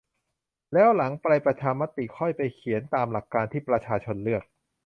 แล้วหลังประชามติค่อยไปเขียนตามหลักการที่ประชาชนเลือก